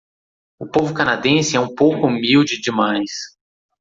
O povo canadense é um pouco humilde demais.